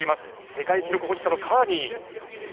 世界記録保持者のカーニー。